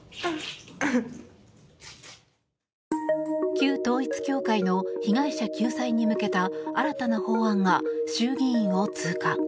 旧統一教会の被害者救済に向けた新たな法案が衆議院を通過。